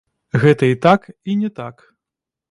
Гэта і так, і не так.